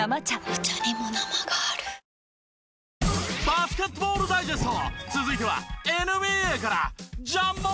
バスケットボールダイジェスト続いてはＮＢＡから。